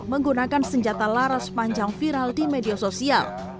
menggunakan senjata laras panjang viral di media sosial